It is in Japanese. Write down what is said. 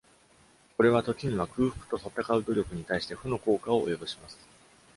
これは時には空腹と闘う努力に対して負の効果を及ぼします。